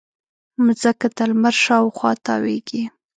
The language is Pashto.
مځکه د لمر شاوخوا تاوېږي.